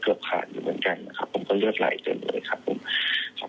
ผมก็เลือกไหลเกินเลยครับ